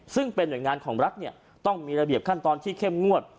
ซึ่งเป็นหน่วยงานของรัฐต้องมีระเบียบขั้นตอนที่เข้มงวด